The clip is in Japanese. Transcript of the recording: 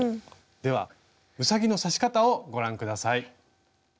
ではうさぎの刺し方をご覧下さい。